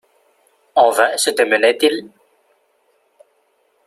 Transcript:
En vain se démenaient-ils.